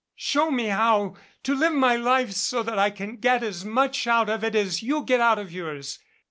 "Show me how to live my life so that I can get as much out of it as you get out of yours.